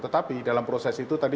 tetapi dalam proses itu tadi